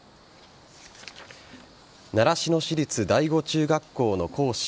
習志野市立第五中学校の講師